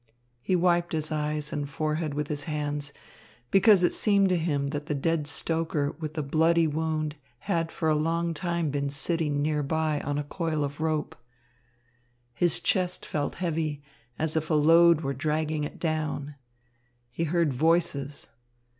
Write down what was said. He wiped his eyes and forehead with his hands, because it seemed to him that the dead stoker with the bloody wound had for a long time been sitting nearby on a coil of rope. His chest felt heavy, as if a load were dragging it down. He heard voices.